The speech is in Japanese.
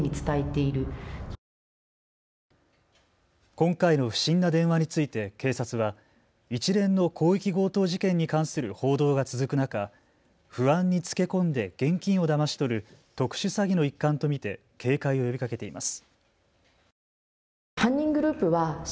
今回の不審な電話について警察は一連の広域強盗事件に関する報道が続く中、不安につけ込んで現金をだまし取る特殊詐欺の一環と見て警戒を呼びかけています。